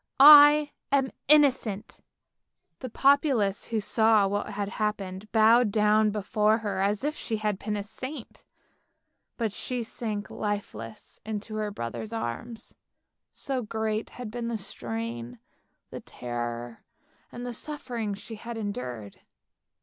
I am innocent." The populace who saw what had happened bowed down before her as if she had been a saint, but she sank lifeless in her brother's arms; so great had been the strain, the terror and the suffering she had endured.